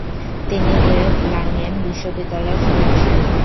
তিনি এরলাঙেন বিশ্ববিদ্যালয়ে ফিরে আসেন।